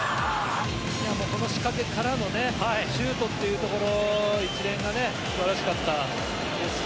この仕掛けからのねシュートっていうところ一連がね素晴らしかったですね。